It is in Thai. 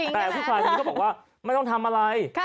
แต่ผู้ชายคนนี้ก็บอกว่าไม่ต้องทำอะไร